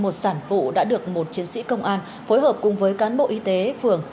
một sản phụ đã được một chiến sĩ công an phối hợp cùng với cán bộ y tế phường